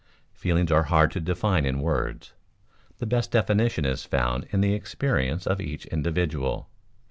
Feelings are hard to define in words; the best definition is found in the experience of each individual.